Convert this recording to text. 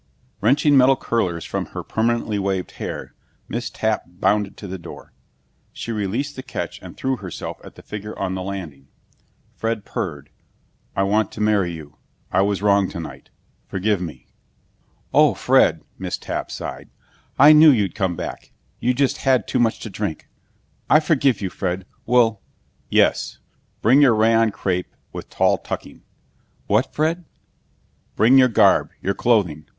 Wrenching metal curlers from her permanently waved hair, Miss Tapp bounded to the door. She released the catch and threw herself at the figure on the landing. Fred purred, "I want to marry you. I was wrong tonight. Forgive me." "Oh, Fred," Miss Tapp sighed. "I knew you'd come back! You just had too much to drink! I forgive you, Fred! We'll " "Yes. Bring your rayon crepe with tall tucking." "What, Fred?" "Bring your garb, your clothing.